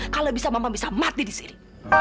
kalau bisa mama bisa mati disini